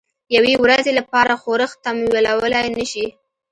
یوې ورځې لپاره ښورښ تمویلولای نه شي.